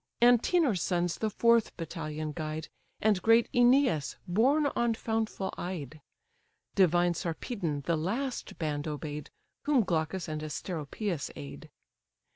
Antenor's sons the fourth battalion guide, And great Æneas, born on fountful Ide. Divine Sarpedon the last band obey'd, Whom Glaucus and Asteropaeus aid.